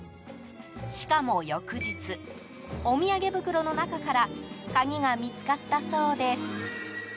しかも翌日、お土産袋の中から鍵が見つかったそうです。